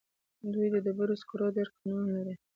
دوی د ډبرو سکرو ډېر کانونه لري.